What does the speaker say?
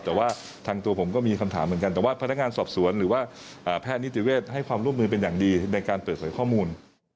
แต่ว่าทางตัวผมก็มีคำถามเหมือนกันแต่ว่าพนักงานสอบสวนหรือว่าแพทย์นิติเวศให้ความร่วมมือเป็นอย่างดีในการเปิดเผยข้อมูล